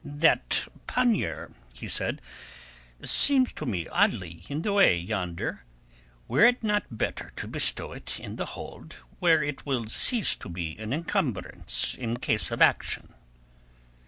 "That pannier," he said, "seems to me oddly in the way yonder. Were it not better to bestow it in the hold, where it will cease to be an encumbrance in case of action?"